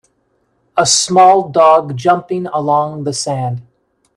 a small dog jumping along the sand